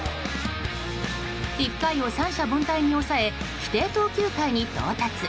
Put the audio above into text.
１回を三者凡退に抑え規定投球回に到達。